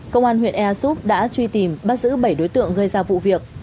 công an huyện ea súp đã truy tìm bắt giữ bảy đối tượng gây ra vụ việc